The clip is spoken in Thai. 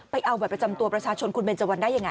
ไปเอาบัตรประจำตัวประชาชนคุณเบนเจวันได้ยังไง